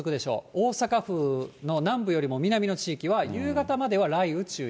大阪府の南部よりも南の地域は、夕方までは雷雨注意。